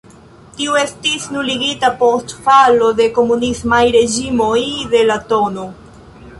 Tiu estis nuligita post falo de komunismaj reĝimoj de la tn.